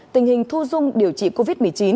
tình hình thu dung điều trị covid một mươi chín